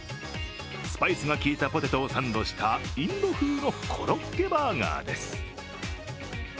スパイスが効いたポテトをサンドしたインド風のコロッケバーガーです。